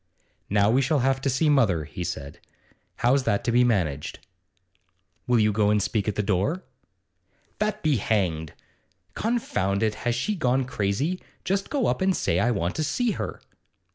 'Now we shall have to see mother,' he said. 'How's that to be managed?' 'Will you go and speak at her door?' 'That be hanged! Confound it, has she gone crazy? Just go up and say I want to see her.